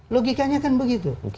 logikanya kan begitu